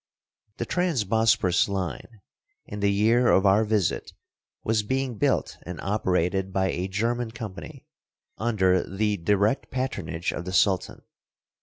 The Trans Bosporus line, in the year of our visit, was being built and operated by a German company, under the direct patronage of the Sultan.